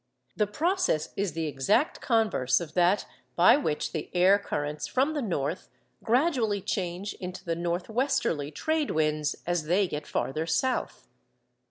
The process is the exact converse of that by which the air currents from the north gradually change into the north westerly trade winds as they get farther south.